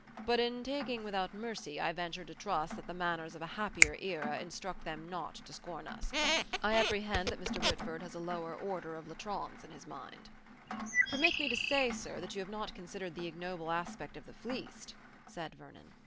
But in taking without mercy, I venture to trust that the manners of a happier era instruct them not to scorn us. I apprehend that Mr. Whitford has a lower order of latrons in his mind." "Permit me to say, sir, that you have not considered the ignoble aspect of the fleeced," said Vernon.